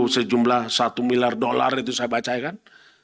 sejumlah satu miliar dolar itu saya baca kan